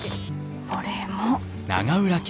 これも。